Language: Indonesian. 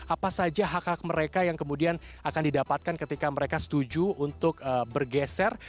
apa saja hak hak mereka yang kemudian akan didapatkan ketika mereka setuju untuk bergeser